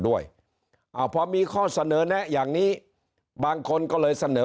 ด้วยพอมีข้อเสนอแนะอย่างนี้บางคนก็เลยเสนอ